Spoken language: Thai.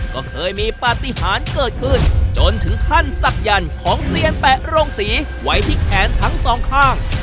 ก็เคยมีปฏิหารเกิดขึ้นจนถึงขั้นศักยันต์ของเซียนแปะโรงสีไว้ที่แขนทั้งสองข้าง